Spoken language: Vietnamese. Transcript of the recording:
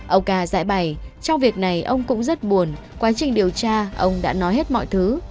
ông ca giải bày trong việc này ông cũng rất buồn quá trình điều tra ông đã nói hết mọi thứ